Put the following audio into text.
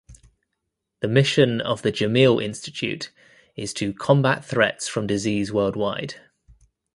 The mission of the Jameel Institute is "to combat threats from disease worldwide".